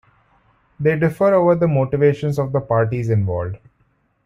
They differ over the motivations of the parties involved.